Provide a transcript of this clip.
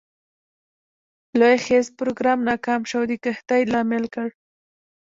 لوی خیز پروګرام ناکام شو او د قحطي لامل ګړ.